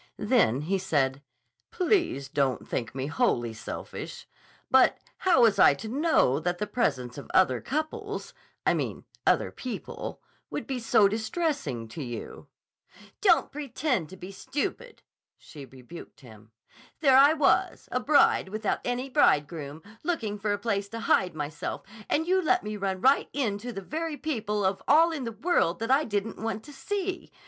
Then he said: "Please don't think me wholly selfish. But how was I to know that the presence of other couples—I mean other people—would be so distressing to you?" "Don't pretend to be stupid," she rebuked him. "There I was, a bride without any bridegroom, looking for a place to hide myself and you let me run right into the very people of all in the world that I didn't want to see.